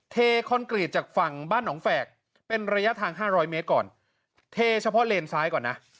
คอนกรีตจากฝั่งบ้านหนองแฝกเป็นระยะทาง๕๐๐เมตรก่อนเทเฉพาะเลนซ้ายก่อนนะ